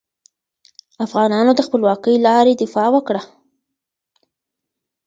افغانانو د خپلواکې لارې دفاع وکړه.